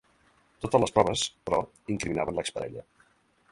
Totes les proves, però, incriminaven l’ex-parella.